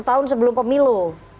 satu tahun sebelum pemilu